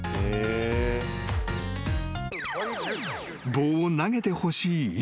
［棒を投げてほしい犬］